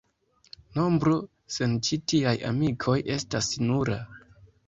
Nombro sen ĉi tiaj amikoj estas nura.